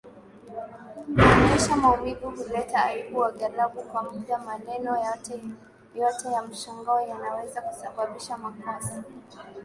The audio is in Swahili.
Kuonyesha maumivu huleta aibu angalau kwa muda Maneno yoyote ya mshangao yanaweza kusababisha makosa